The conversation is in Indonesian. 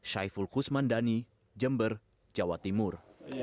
syaiful kusmandani jember jawa timur